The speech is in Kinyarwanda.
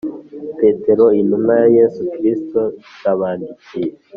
Petero intumwa ya Yesu Kristo ndabandikiye